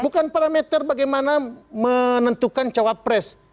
bukan parameter bagaimana menentukan cawapres